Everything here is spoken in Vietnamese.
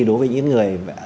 đối với những người